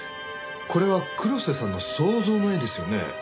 これは黒瀬さんの想像の絵ですよね？